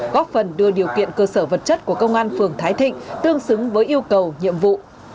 góp phần đưa điều kiện cơ sở vật chất của công an phường thái thịnh tương xứng với yêu cầu nhiệm vụ